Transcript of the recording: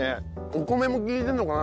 お米も利いてるのかな？